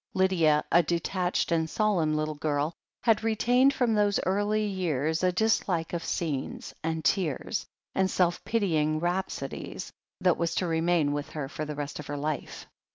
« Lydia, a detached and solemn little girl, had retained from those early years a dislike of scenes and tears, and self pitying rhapsodies, that was to remain with her for the rest of her life.